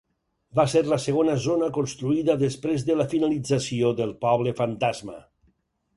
Va ser la segona zona construïda després de la finalització del Poble Fantasma.